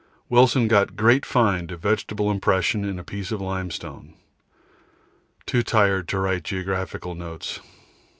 Wilson got great find of vegetable impression in piece of limestone. Too tired to write geological notes.